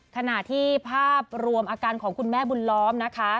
ขณะที่ภาพรวมอาการของคุณแม่บุญล้อมนะคะ